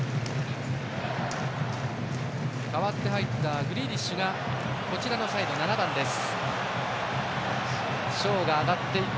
代わって入ったグリーリッシュが７番、左サイドです。